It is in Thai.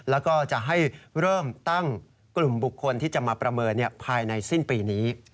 แล้วก็จะให้เริ่มตั้งกลุ่มบุคคลที่จะมาประเมินภายในสิ้นปีนี้